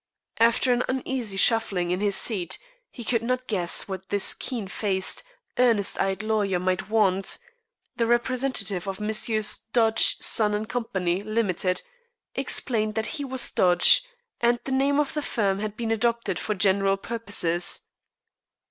After an uneasy shuffling in his seat he could not guess what this keen faced, earnest eyed lawyer might want the representative of Messrs. Dodge, Son & Co. (Limited) explained that he was Dodge, and the name of the firm had been adopted for general purposes.